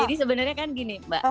jadi sebenarnya kan gini mbak